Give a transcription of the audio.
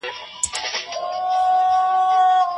تاسو به د خپل ذهن په روښانولو کي بریالي کیږئ.